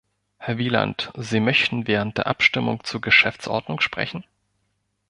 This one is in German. Herr Wieland, Sie möchten während der Abstimmung zur Geschäftsordnung sprechen?